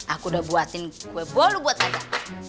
aku udah buatin kue bolu buat anda